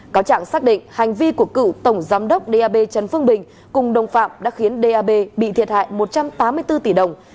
cáo trạng xác định hành vi của cựu tổng giám đốc đ a b trần phương bình cùng đồng phạm đã khiến đ a b bị thiệt hại một trăm tám mươi bốn tỷ đồng